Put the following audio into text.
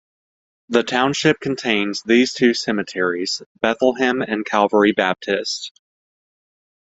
The township contains these two cemeteries: Bethlehem and Calvary Baptist.